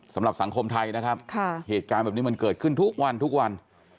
สำหรับสังคมไทยนะครับเหตุการณ์แบบนี้มันเกิดขึ้นทุกวัน